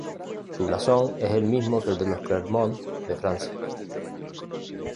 Su blasón es el mismo que el de los Clermont de Francia.